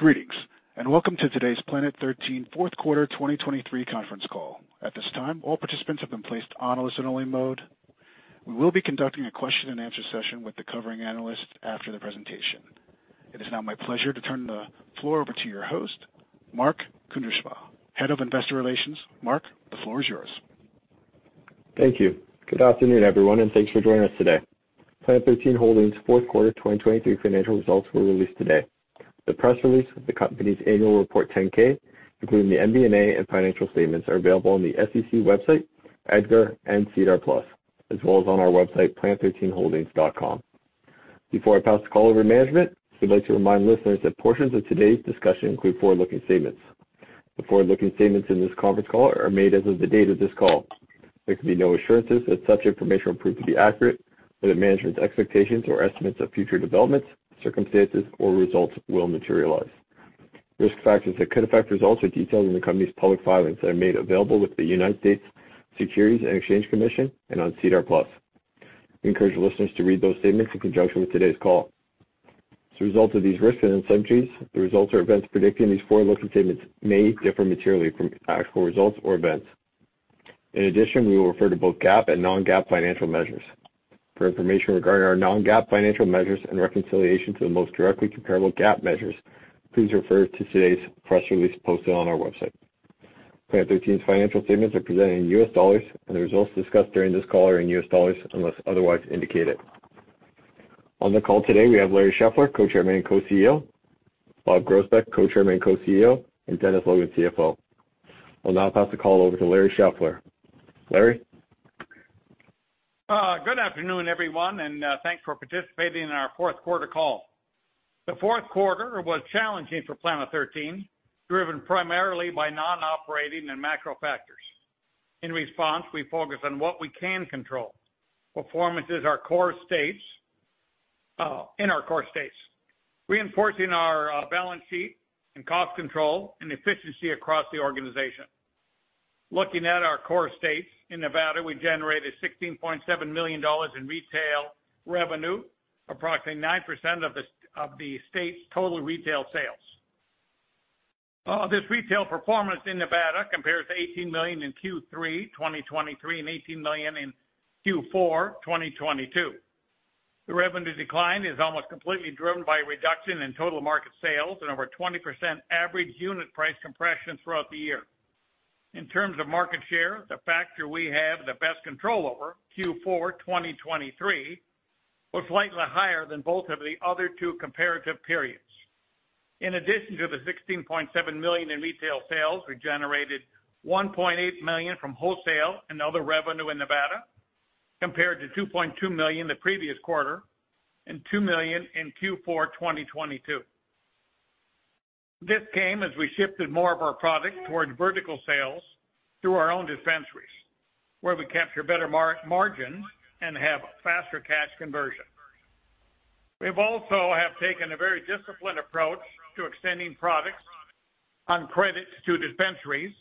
Greetings, and welcome to today's Planet 13 fourth quarter 2023 conference call. At this time, all participants have been placed on listen-only mode. We will be conducting a question-and-answer session with the covering analyst after the presentation. It is now my pleasure to turn the floor over to your host, Mark Kuindersma, Head of Investor Relations. Mark, the floor is yours. Thank you. Good afternoon, everyone, and thanks for joining us today. Planet 13 Holdings' fourth quarter 2023 financial results were released today. The press release of the company's annual report 10-K, including the MD&A and financial statements, are available on the SEC website, EDGAR, and SEDAR+, as well as on our website, planet13holdings.com. Before I pass the call over to management, I'd like to remind listeners that portions of today's discussion include forward-looking statements. The forward-looking statements in this conference call are made as of the date of this call. There can be no assurances that such information will prove to be accurate, or that management's expectations or estimates of future developments, circumstances, or results will materialize. Risk factors that could affect results are detailed in the company's public filings that are made available with the United States Securities and Exchange Commission and on SEDAR+. We encourage listeners to read those statements in conjunction with today's call. As a result of these risks and uncertainties, the results or events predicted in these forward-looking statements may differ materially from actual results or events. In addition, we will refer to both GAAP and non-GAAP financial measures. For information regarding our non-GAAP financial measures and reconciliation to the most directly comparable GAAP measures, please refer to today's press release posted on our website. Planet 13's financial statements are presented in U.S. dollars, and the results discussed during this call are in U.S. dollars unless otherwise indicated. On the call today, we have Larry Scheffler, Co-Chairman and Co-CEO; Bob Groesbeck, Co-Chairman and Co-CEO; and Dennis Logan, CFO. I'll now pass the call over to Larry Scheffler. Larry? Good afternoon, everyone, and thanks for participating in our fourth quarter call. The fourth quarter was challenging for Planet 13, driven primarily by non-operating and macro factors. In response, we focused on what we can control: performance is our core states in our core states, reinforcing our balance sheet and cost control and efficiency across the organization. Looking at our core states, in Nevada, we generated $16.7 million in retail revenue, approximately 9% of the state's total retail sales. This retail performance in Nevada compares to $18 million in Q3 2023 and $18 million in Q4 2022. The revenue decline is almost completely driven by a reduction in total market sales and over 20% average unit price compression throughout the year. In terms of market share, the factor we have the best control over, Q4 2023, was slightly higher than both of the other two comparative periods. In addition to the $16.7 million in retail sales, we generated $1.8 million from wholesale and other revenue in Nevada, compared to $2.2 million the previous quarter and $2 million in Q4 2022. This came as we shifted more of our product towards vertical sales through our own dispensaries, where we capture better margins and have faster cash conversion. We also have taken a very disciplined approach to extending products on credit to dispensaries,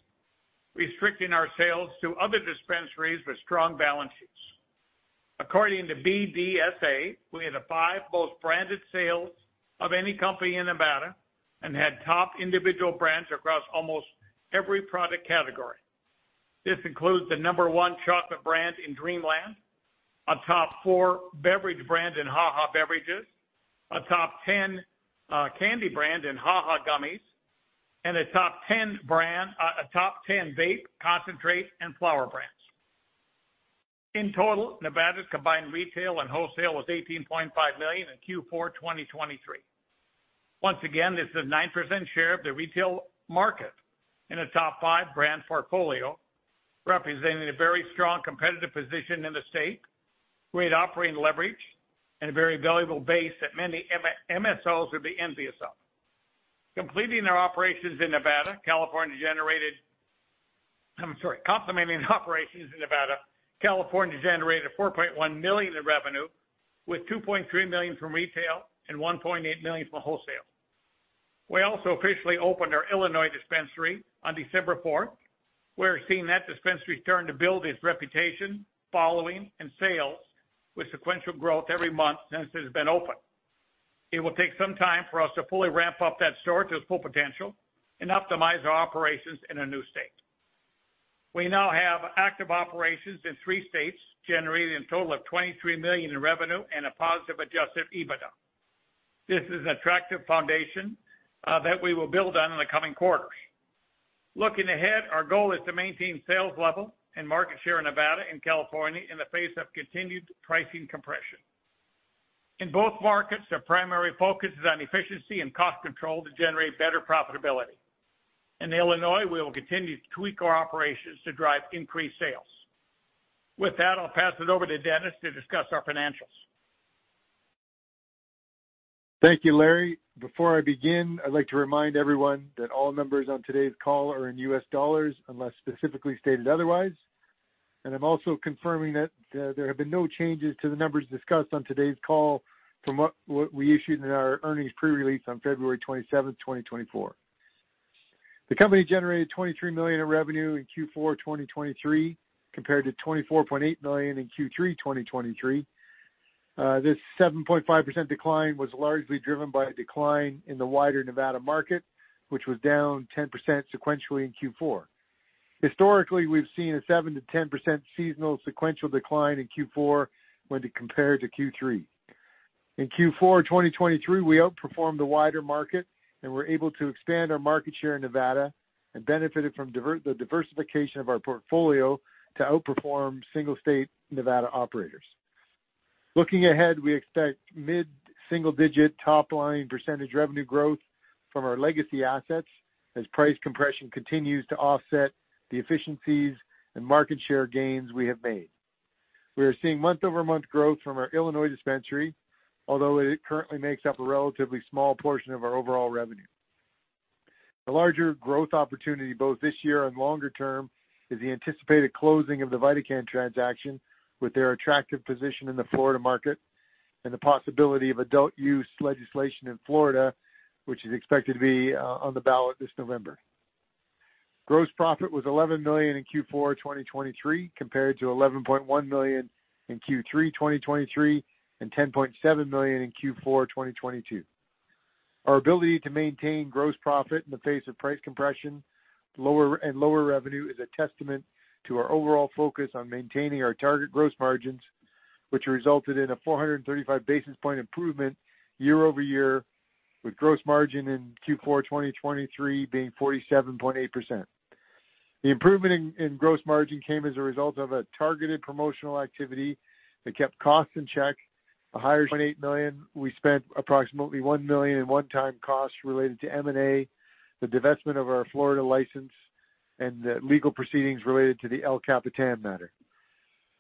restricting our sales to other dispensaries with strong balance sheets. According to BDSA, we had the five most branded sales of any company in Nevada and had top individual brands across almost every product category. This includes the number one chocolate brand in Dreamland, a top four beverage brand in HaHa Beverages, a top ten candy brand in HaHa Gummies, and a top ten brand a top ten vape, concentrate, and flower brands. In total, Nevada's combined retail and wholesale was $18.5 million in Q4 2023. Once again, this is a 9% share of the retail market in a top five brand portfolio, representing a very strong competitive position in the state, great operating leverage, and a very valuable base that many MSOs would be envious of. Complementing operations in Nevada, California generated $4.1 million in revenue, with $2.3 million from retail and $1.8 million from wholesale. We also officially opened our Illinois dispensary on December 4th. We are seeing that dispensary starting to build its reputation, following, and sales with sequential growth every month since it has been open. It will take some time for us to fully ramp up that store to its full potential and optimize our operations in a new state. We now have active operations in three states, generating a total of $23 million in revenue and a positive Adjusted EBITDA. This is an attractive foundation that we will build on in the coming quarters. Looking ahead, our goal is to maintain sales level and market share in Nevada and California in the face of continued pricing compression. In both markets, our primary focus is on efficiency and cost control to generate better profitability. In Illinois, we will continue to tweak our operations to drive increased sales. With that, I'll pass it over to Dennis to discuss our financials. Thank you, Larry. Before I begin, I'd like to remind everyone that all numbers on today's call are in U.S. dollars unless specifically stated otherwise. I'm also confirming that there have been no changes to the numbers discussed on today's call from what we issued in our earnings pre-release on February 27th, 2024. The company generated $23 million in revenue in Q4 2023 compared to $24.8 million in Q3 2023. This 7.5% decline was largely driven by a decline in the wider Nevada market, which was down 10% sequentially in Q4. Historically, we've seen a 7%-10% seasonal sequential decline in Q4 when compared to Q3. In Q4 2023, we outperformed the wider market and were able to expand our market share in Nevada and benefited from the diversification of our portfolio to outperform single-state Nevada operators. Looking ahead, we expect mid-single-digit top-line percentage revenue growth from our legacy assets as price compression continues to offset the efficiencies and market share gains we have made. We are seeing month-over-month growth from our Illinois dispensary, although it currently makes up a relatively small portion of our overall revenue. A larger growth opportunity both this year and longer term is the anticipated closing of the VidaCann transaction with their attractive position in the Florida market and the possibility of adult-use legislation in Florida, which is expected to be on the ballot this November. Gross profit was $11 million in Q4 2023 compared to $11.1 million in Q3 2023 and $10.7 million in Q4 2022. Our ability to maintain gross profit in the face of price compression and lower revenue is a testament to our overall focus on maintaining our target gross margins, which resulted in a 435 basis point improvement year-over-year, with gross margin in Q4 2023 being 47.8%. The improvement in gross margin came as a result of a targeted promotional activity that kept costs in check, a higher $18 million. We spent approximately $1 million in one-time costs related to M&A, the divestment of our Florida license, and the legal proceedings related to the El Capitan matter.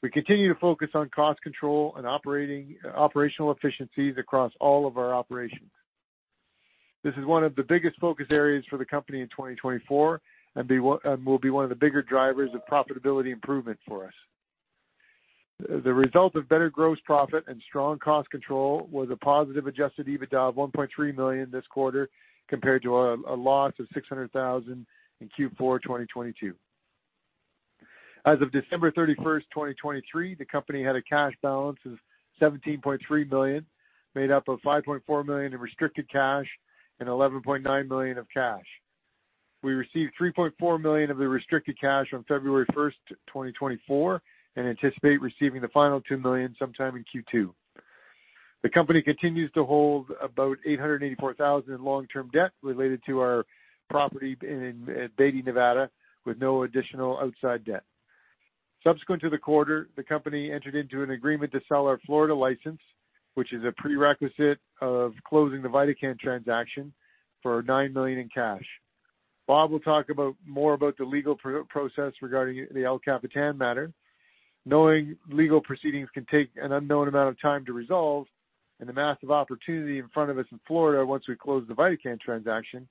We continue to focus on cost control and operational efficiencies across all of our operations. This is one of the biggest focus areas for the company in 2024 and will be one of the bigger drivers of profitability improvement for us. The result of better gross profit and strong cost control was a positive Adjusted EBITDA of $1.3 million this quarter compared to a loss of $600,000 in Q4 2022. As of December 31st, 2023, the company had a cash balance of $17.3 million, made up of $5.4 million in restricted cash and $11.9 million of cash. We received $3.4 million of the restricted cash on February 1st, 2024, and anticipate receiving the final $2 million sometime in Q2. The company continues to hold about $884,000 in long-term debt related to our property in Beatty, Nevada, with no additional outside debt. Subsequent to the quarter, the company entered into an agreement to sell our Florida license, which is a prerequisite of closing the VidaCann transaction for $9 million in cash. Bob will talk more about the legal process regarding the El Capitan matter. Knowing legal proceedings can take an unknown amount of time to resolve and the massive opportunity in front of us in Florida once we close the VidaCann transaction,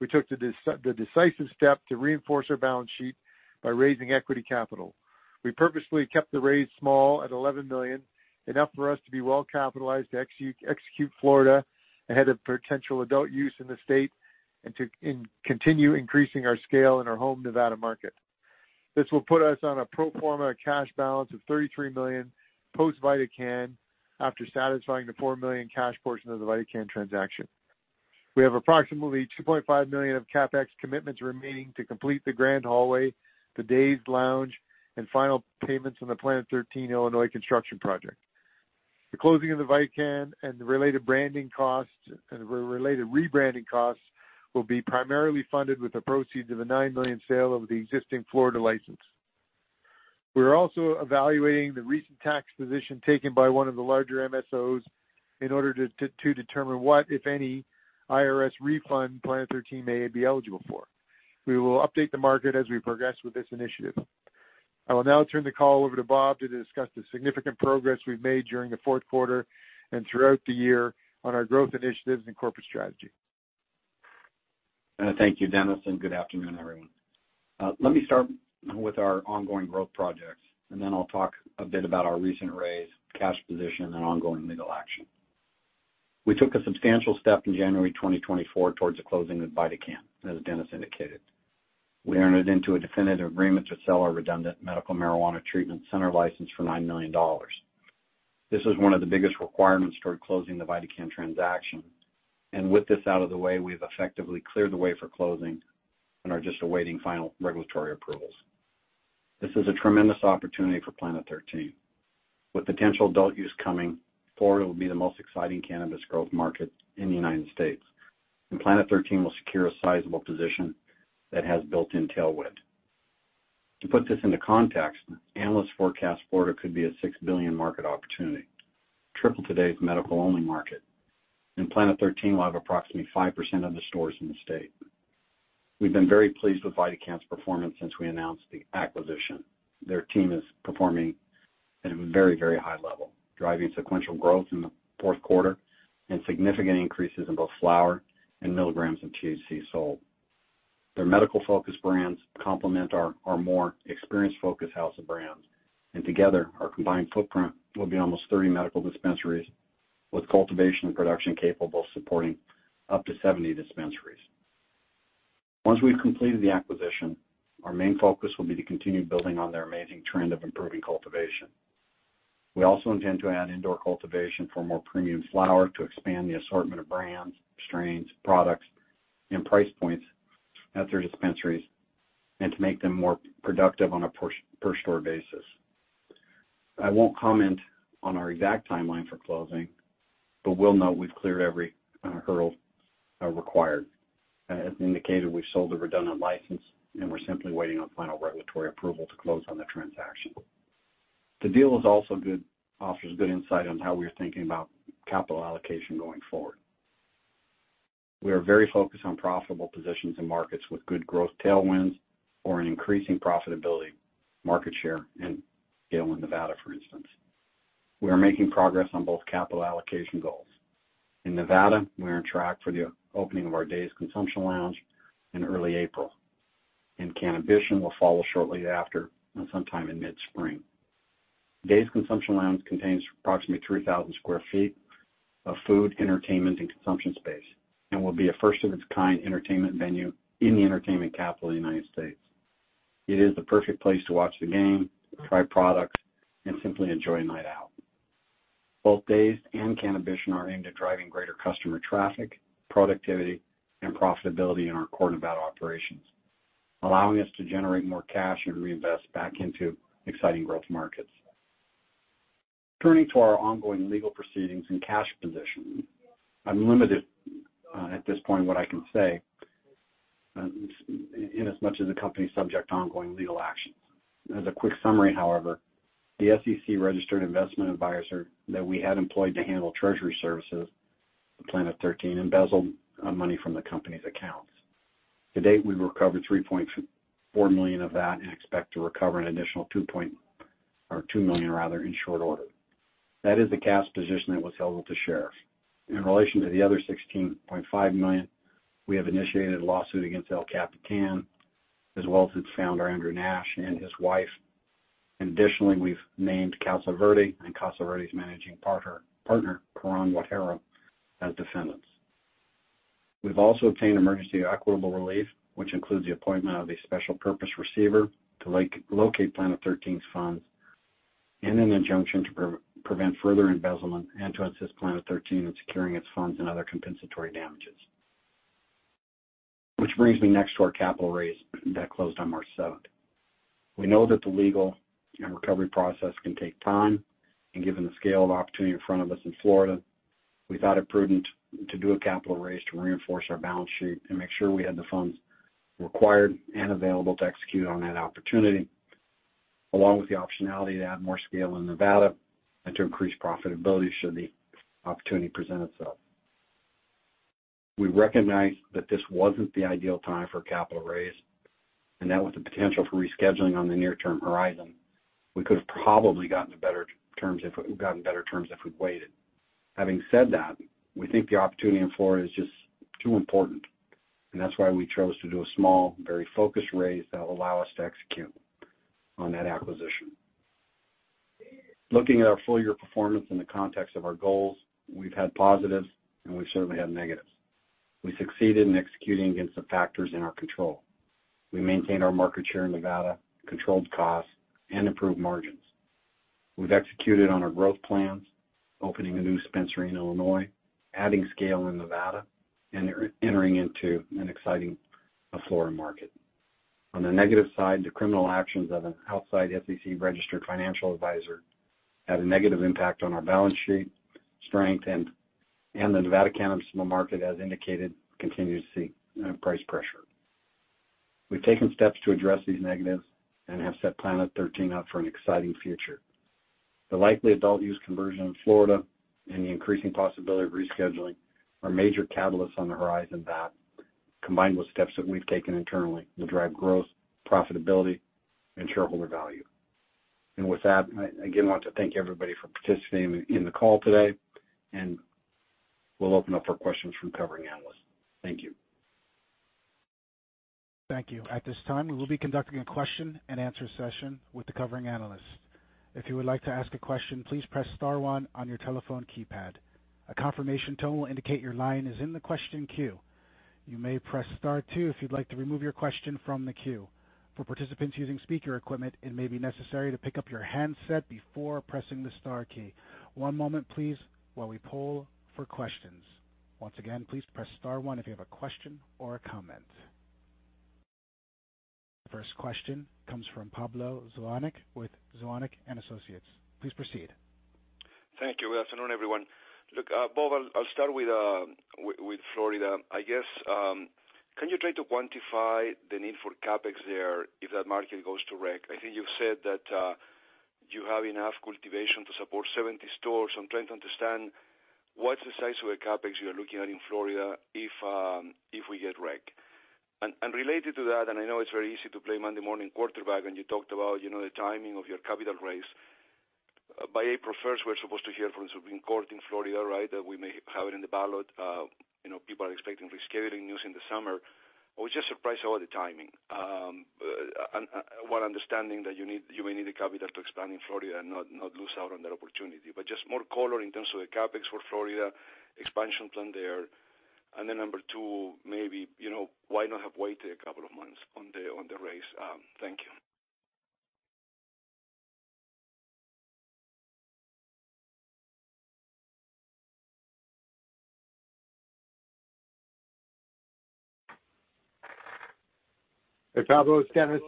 we took the decisive step to reinforce our balance sheet by raising equity capital. We purposely kept the raise small at $11 million, enough for us to be well-capitalized to execute Florida ahead of potential adult-use in the state and continue increasing our scale in our home Nevada market. This will put us on a pro forma cash balance of $33 million post-VidaCann after satisfying the $4 million cash portion of the VidaCann transaction. We have approximately $2.5 million of CapEx commitments remaining to complete the Grand Hallway, the Dazed! Consumption Lounge, and final payments on the Planet 13 Illinois construction project. The closing of the VidaCann and the related rebranding costs will be primarily funded with the proceeds of the $9 million sale of the existing Florida license. We are also evaluating the recent tax position taken by one of the larger MSOs in order to determine what, if any, IRS refund Planet 13 may be eligible for. We will update the market as we progress with this initiative. I will now turn the call over to Bob to discuss the significant progress we've made during the fourth quarter and throughout the year on our growth initiatives and corporate strategy. Thank you, Dennis, and good afternoon, everyone. Let me start with our ongoing growth projects, and then I'll talk a bit about our recent raise, cash position, and ongoing legal action. We took a substantial step in January 2024 towards the closing of VidaCann, as Dennis indicated. We entered into a definitive agreement to sell our redundant medical marijuana treatment center license for $9 million. This is one of the biggest requirements toward closing the VidaCann transaction. And with this out of the way, we've effectively cleared the way for closing and are just awaiting final regulatory approvals. This is a tremendous opportunity for Planet 13. With potential adult-use coming, Florida will be the most exciting cannabis growth market in the United States, and Planet 13 will secure a sizable position that has built-in tailwind. To put this into context, analysts forecast Florida could be a $6 billion market opportunity, triple today's medical-only market, and Planet 13 will have approximately 5% of the stores in the state. We've been very pleased with VidaCann's performance since we announced the acquisition. Their team is performing at a very, very high level, driving sequential growth in the fourth quarter and significant increases in both flower and milligrams of THC sold. Their medical-focused brands complement our more experience-focused house of brands, and together, our combined footprint will be almost 30 medical dispensaries with cultivation and production capable of supporting up to 70 dispensaries. Once we've completed the acquisition, our main focus will be to continue building on their amazing trend of improving cultivation. We also intend to add indoor cultivation for more premium flower to expand the assortment of brands, strains, products, and price points at their dispensaries and to make them more productive on a per-store basis. I won't comment on our exact timeline for closing, but will note we've cleared every hurdle required. As indicated, we've sold the redundant license, and we're simply waiting on final regulatory approval to close on the transaction. The deal also offers good insight on how we are thinking about capital allocation going forward. We are very focused on profitable positions in markets with good growth tailwinds or an increasing profitability market share, gaining in Nevada, for instance. We are making progress on both capital allocation goals. In Nevada, we are on track for the opening of our Dazed! Consumption Lounge in early April, and Cannabition will follow shortly after, sometime in mid-spring. Dazed! Consumption Lounge contains approximately 3,000 sq ft of food, entertainment, and consumption space and will be a first-of-its-kind entertainment venue in the entertainment capital of the United States. It is the perfect place to watch the game, try products, and simply enjoy a night out. Both Dazed! and Cannabition are aimed at driving greater customer traffic, productivity, and profitability in our core Nevada operations, allowing us to generate more cash and reinvest back into exciting growth markets. Turning to our ongoing legal proceedings and cash position, I'm limited at this point what I can say in as much as the company's subject to ongoing legal actions. As a quick summary, however, the SEC-registered investment advisor that we had employed to handle treasury services, El Capitan Advisors, embezzled money from the company's accounts. To date, we've recovered $3.4 million of that and expect to recover an additional $2 million in short order. That is the cash position that was held with the sheriff. In relation to the other $16.5 million, we have initiated a lawsuit against El Capitan as well as its founder, Andrew Nash, and his wife. Additionally, we've named Casa Verde and Casa Verde's managing partner, Karan Wadhera, as defendants. We've also obtained emergency equitable relief, which includes the appointment of a special purpose receiver to locate Planet 13's funds and in conjunction to prevent further embezzlement and to assist Planet 13 in securing its funds and other compensatory damages, which brings me next to our capital raise that closed on March 7th. We know that the legal and recovery process can take time, and given the scale of opportunity in front of us in Florida, we thought it prudent to do a capital raise to reinforce our balance sheet and make sure we had the funds required and available to execute on that opportunity, along with the optionality to add more scale in Nevada and to increase profitability should the opportunity present itself. We recognize that this wasn't the ideal time for a capital raise and that with the potential for rescheduling on the near-term horizon, we could have probably gotten to better terms if we'd gotten better terms if we'd waited. Having said that, we think the opportunity in Florida is just too important, and that's why we chose to do a small, very focused raise that will allow us to execute on that acquisition. Looking at our full-year performance in the context of our goals, we've had positives, and we've certainly had negatives. We succeeded in executing against the factors in our control. We maintained our market share in Nevada, controlled costs, and improved margins. We've executed on our growth plans, opening a new dispensary in Illinois, adding scale in Nevada, and entering into an exciting Florida market. On the negative side, the criminal actions of an outside SEC-registered financial advisor had a negative impact on our balance sheet strength, and the Nevada cannabis market, as indicated, continues to see price pressure. We've taken steps to address these negatives and have set Planet 13 up for an exciting future. The likely adult-use conversion in Florida and the increasing possibility of rescheduling are major catalysts on the horizon that, combined with steps that we've taken internally, will drive growth, profitability, and shareholder value. With that, I again want to thank everybody for participating in the call today, and we'll open up for questions from covering analysts. Thank you. Thank you. At this time, we will be conducting a question-and-answer session with the covering analysts. If you would like to ask a question, please press star one on your telephone keypad. A confirmation tone will indicate your line is in the question queue. You may press star two if you'd like to remove your question from the queue. For participants using speaker equipment, it may be necessary to pick up your handset before pressing the star key. One moment, please, while we pull for questions. Once again, please press star one if you have a question or a comment. The first question comes from Pablo Zuanic with Zuanic & Associates. Please proceed. Thank you. Good afternoon, everyone. Look, Bob, I'll start with Florida. I guess, can you try to quantify the need for CapEx there if that market goes rec? I think you've said that you have enough cultivation to support 70 stores. I'm trying to understand what's the size of the CapEx you are looking at in Florida if we get rec. And related to that, and I know it's very easy to play Monday morning quarterback, and you talked about the timing of your capital raise. By April 1st, we're supposed to hear from the Supreme Court in Florida, right, that we may have it in the ballot. People are expecting rescheduling news in the summer. I was just surprised about the timing, while understanding that you may need the capital to expand in Florida and not lose out on that opportunity. But just more color in terms of the CapEx for Florida, expansion plan there. And then number two, maybe why not have waited a couple of months on the raise? Thank you. Hey, Pablo. It's Dennis.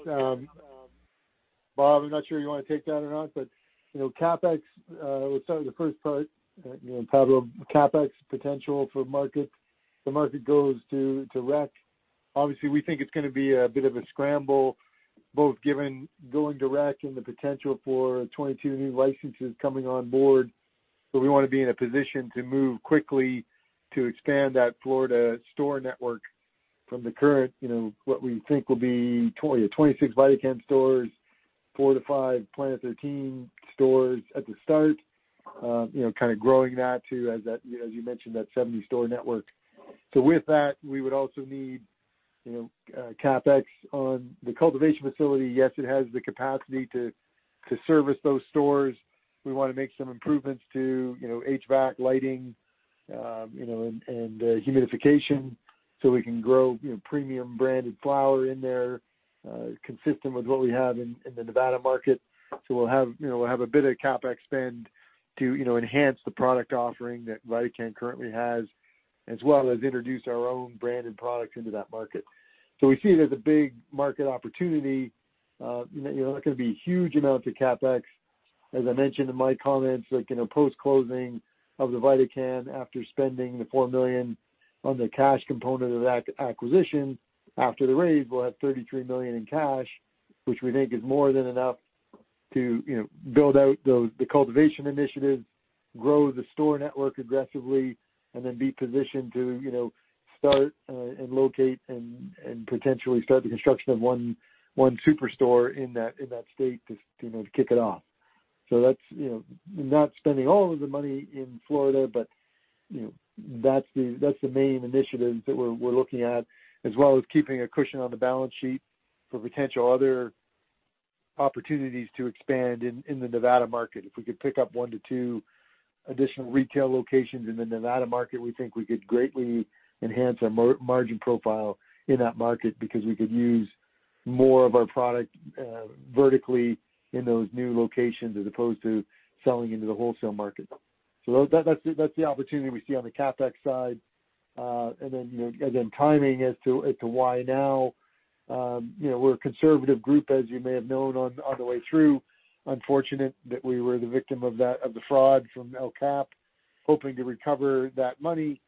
Bob, I'm not sure you want to take that or not, but CapEx we'll start with the first part, Pablo. CapEx potential for market, if the market goes to rec. Obviously, we think it's going to be a bit of a scramble, both given going to rec and the potential for 22 new licenses coming on board. But we want to be in a position to move quickly to expand that Florida store network from the current what we think will be 26 VidaCann stores, 4-5 Planet 13 stores at the start, kind of growing that to, as you mentioned, that 70-store network. So with that, we would also need CapEx on the cultivation facility. Yes, it has the capacity to service those stores. We want to make some improvements to HVAC, lighting, and humidification so we can grow premium branded flower in there consistent with what we have in the Nevada market. So we'll have a bit of CapEx spend to enhance the product offering that VidaCann currently has as well as introduce our own branded products into that market. So we see it as a big market opportunity. There are not going to be huge amounts of CapEx. As I mentioned in my comments, post-closing of the VidaCann, after spending the $4 million on the cash component of that acquisition after the raise, we'll have $33 million in cash, which we think is more than enough to build out the cultivation initiatives, grow the store network aggressively, and then be positioned to start and locate and potentially start the construction of one superstore in that state to kick it off. So that's not spending all of the money in Florida, but that's the main initiatives that we're looking at as well as keeping a cushion on the balance sheet for potential other opportunities to expand in the Nevada market. If we could pick up 1-2 additional retail locations in the Nevada market, we think we could greatly enhance our margin profile in that market because we could use more of our product vertically in those new locations as opposed to selling into the wholesale market. So that's the opportunity we see on the CapEx side. And then again, timing as to why now. We're a conservative group, as you may have known on the way through. Unfortunate that we were the victim of the fraud from El Capitan, hoping to recover that money,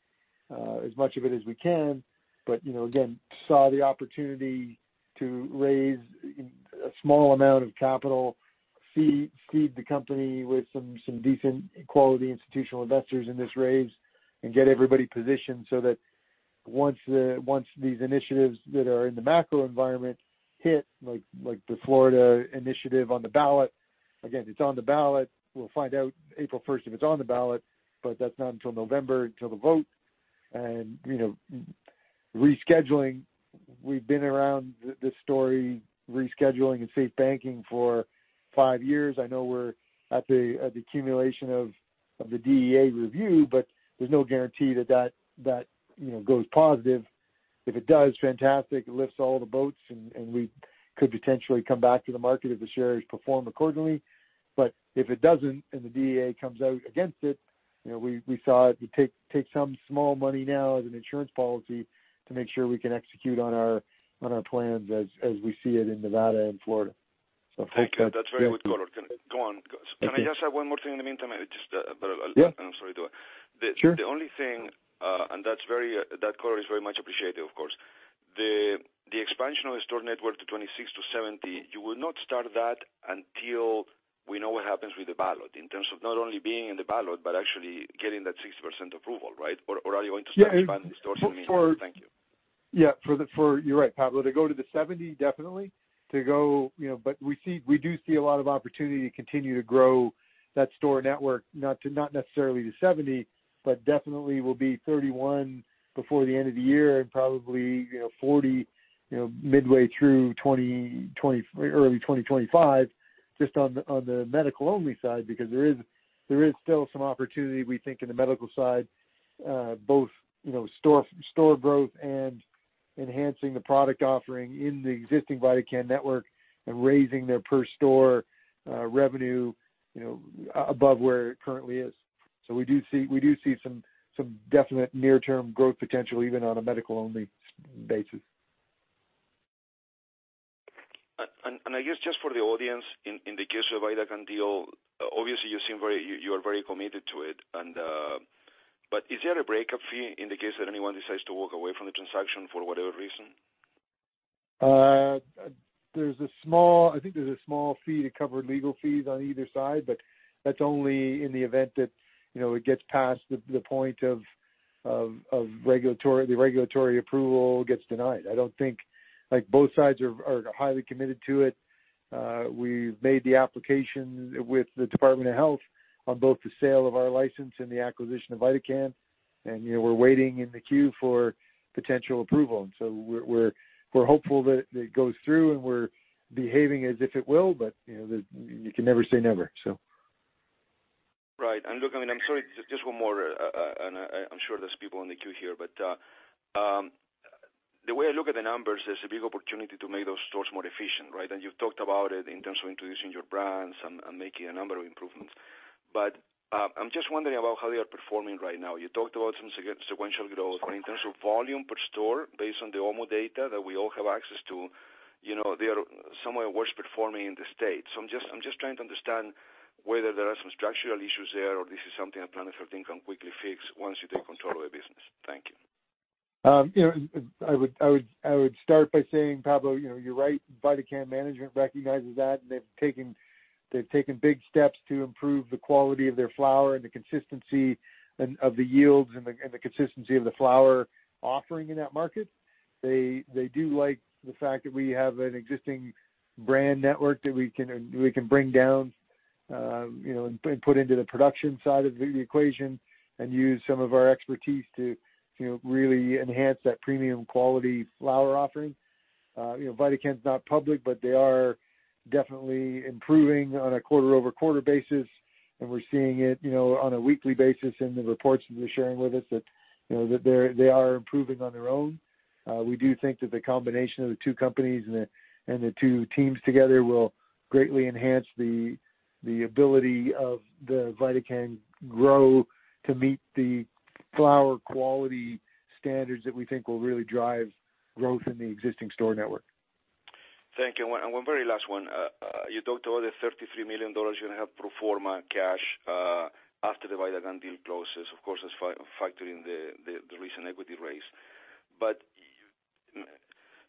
as much of it as we can, but again, saw the opportunity to raise a small amount of capital, seed the company with some decent-quality institutional investors in this raise, and get everybody positioned so that once these initiatives that are in the macro environment hit, like the Florida initiative on the ballot again, it's on the ballot. We'll find out April 1st if it's on the ballot, but that's not until November, until the vote. And rescheduling, we've been around this story, rescheduling and SAFE Banking, for five years. I know we're at the accumulation of the DEA review, but there's no guarantee that that goes positive. If it does, fantastic. It lifts all the boats, and we could potentially come back to the market if the shares perform accordingly. But if it doesn't and the DEA comes out against it, we saw it would take some small money now as an insurance policy to make sure we can execute on our plans as we see it in Nevada and Florida. So far, good. That's very good color. Go on. Can I just add one more thing in the meantime? Just a little. And I'm sorry to interrupt. The only thing and that color is very much appreciated, of course. The expansion of the store network to 26-70, you will not start that until we know what happens with the ballot in terms of not only being in the ballot but actually getting that 60% approval, right? Or are you going to start expanding the stores in the meantime? Thank you. Yeah. You're right, Pablo. To go to the 70, definitely. But we do see a lot of opportunity to continue to grow that store network, not necessarily to 70, but definitely will be 31 before the end of the year and probably 40 midway through early 2025, just on the medical-only side because there is still some opportunity, we think, in the medical side, both store growth and enhancing the product offering in the existing VidaCann network and raising their per-store revenue above where it currently is. So we do see some definite near-term growth potential, even on a medical-only basis. I guess just for the audience, in the case of the VidaCann deal, obviously, you are very committed to it. But is there a breakup fee in the case that anyone decides to walk away from the transaction for whatever reason? I think there's a small fee to cover legal fees on either side, but that's only in the event that it gets past the point of the regulatory approval gets denied. I don't think both sides are highly committed to it. We've made the application with the Department of Health on both the sale of our license and the acquisition of VidaCann, and we're waiting in the queue for potential approval. So we're hopeful that it goes through, and we're behaving as if it will, but you can never say never. Right. And look, I mean, I'm sorry. Just one more. And I'm sure there's people in the queue here. But the way I look at the numbers, there's a big opportunity to make those stores more efficient, right? And you've talked about it in terms of introducing your brands and making a number of improvements. But I'm just wondering about how they are performing right now. You talked about some sequential growth. But in terms of volume per store, based on the OMMU data that we all have access to, they are somewhat worse performing in the state. So I'm just trying to understand whether there are some structural issues there or this is something that Planet 13 can quickly fix once you take control of the business. Thank you. I would start by saying, Pablo, you're right. VidaCann management recognizes that, and they've taken big steps to improve the quality of their flower and the consistency of the yields and the consistency of the flower offering in that market. They do like the fact that we have an existing brand network that we can bring down and put into the production side of the equation and use some of our expertise to really enhance that premium-quality flower offering. VidaCann's not public, but they are definitely improving on a quarter-over-quarter basis, and we're seeing it on a weekly basis in the reports that they're sharing with us that they are improving on their own. We do think that the combination of the two companies and the two teams together will greatly enhance the ability of the VidaCann grow to meet the flower quality standards that we think will really drive growth in the existing store network. Thank you. One very last one. You talked about the $33 million you're going to have pro forma cash after the VidaCann deal closes. Of course, that's factored in the recent equity raise. But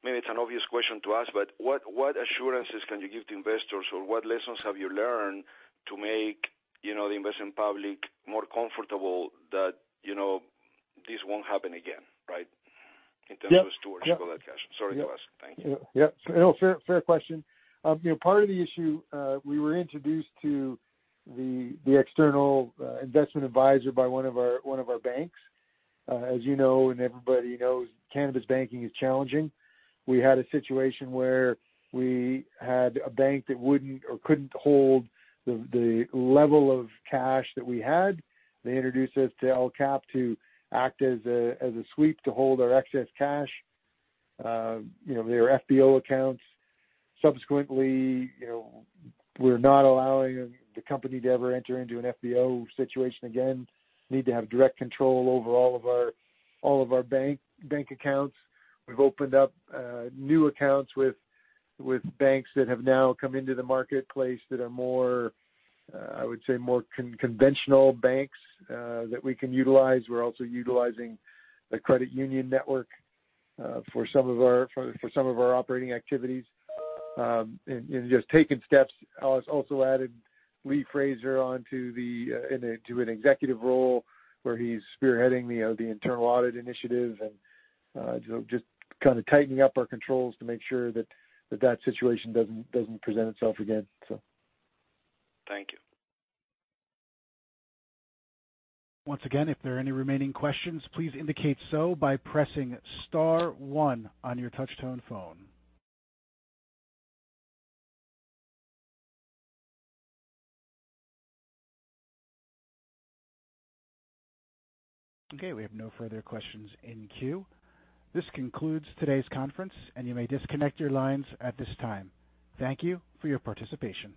maybe it's an obvious question to ask, but what assurances can you give to investors, or what lessons have you learned to make the investing public more comfortable that this won't happen again, right, in terms of stores with all that cash? Sorry to ask. Thank you. Yeah. Fair question. Part of the issue, we were introduced to the external investment advisor by one of our banks. As you know and everybody knows, cannabis banking is challenging. We had a situation where we had a bank that couldn't hold the level of cash that we had. They introduced us to El Capitan to act as a sweep to hold our excess cash. They were FBO accounts. Subsequently, we're not allowing the company to ever enter into an FBO situation again. Need to have direct control over all of our bank accounts. We've opened up new accounts with banks that have now come into the marketplace that are more, I would say, more conventional banks that we can utilize. We're also utilizing the credit union network for some of our operating activities. Just taking steps, I also added Lee Fraser onto an executive role where he's spearheading the internal audit initiative and just kind of tightening up our controls to make sure that that situation doesn't present itself again, so. Thank you. Once again, if there are any remaining questions, please indicate so by pressing star one on your touch-tone phone. Okay. We have no further questions in queue. This concludes today's conference, and you may disconnect your lines at this time. Thank you for your participation.